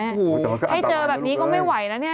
อุ้ยจำนวนก็อันตรายเลยให้เจอแบบนี้ก็ไม่ไหวแล้ว